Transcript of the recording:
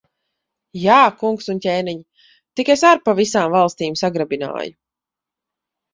Jā, kungs un ķēniņ! Tik es ar pa visām valstīm sagrabināju.